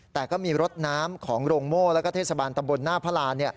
แต่ก็มีรถน้ำของโรงโม่แล้วก็เทศบาลตำบลหน้าพระราณ